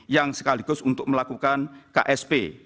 yang sekaligus untuk melakukan ksp